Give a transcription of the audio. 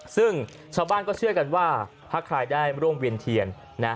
ซึ่งชาวบ้านก็เชื่อกันว่าถ้าใครได้ร่วมเวียนเทียนนะ